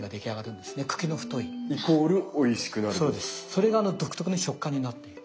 それがあの独特の食感になっていく。